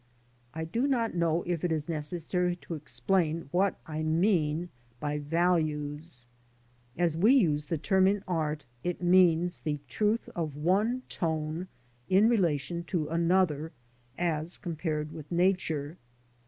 I do not know if it is necessary to explain I what I mean by values. As we use the term in art, it means the j . truth of one tone in relation to another as compared with Nature.